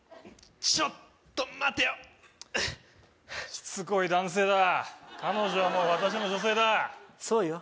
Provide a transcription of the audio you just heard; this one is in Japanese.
ちょっと待てよしつこい男性だ彼女はもう私の女性だそうよ